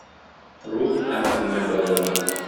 Рух һәм күңел байлыгын.